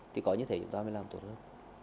thì có như thế chúng ta mới làm tốt hơn